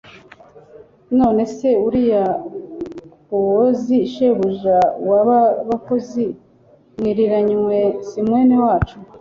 none se uriya bowozi, shebuja wa ba bakozi mwiriranywe, si mwene wacu